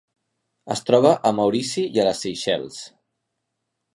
Es troba a Maurici i a les Seychelles.